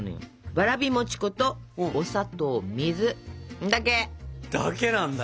わらび餅粉とお砂糖水だけ！だけなんだ。